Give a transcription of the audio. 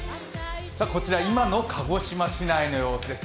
こちら、今の鹿児島市内の様子です。